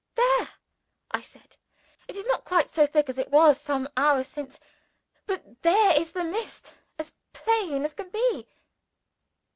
"There!" I said. "It is not quite so thick as it was some hours since. But there is the mist as plain as can be!"